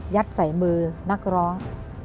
ใส่มือนักร้อง